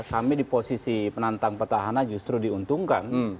kami di posisi penantang petahana justru diuntungkan